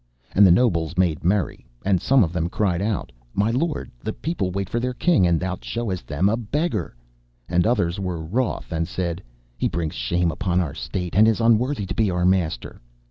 And the nobles made merry, and some of them cried out to him, 'My lord, the people wait for their king, and thou showest them a beggar,' and others were wroth and said, 'He brings shame upon our state, and is unworthy to be our master.